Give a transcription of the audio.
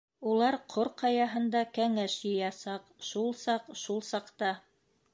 Улар Ҡор Ҡаяһында кәңәш йыясаҡ, шул саҡ, шул саҡта...